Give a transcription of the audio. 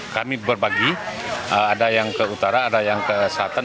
kami berbagi ada yang ke utara ada yang ke selatan